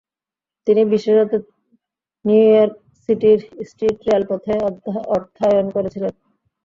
তিনি বিশেষত New York সিটির স্ট্রিট রেলপথে অর্থায়ন করেছিলেন।